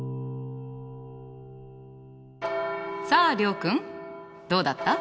さあ諒君どうだった？